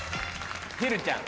ひるちゃん。